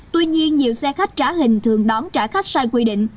tuy nhiên nhiều xe khách trả hình thường đón trả khách sai quy định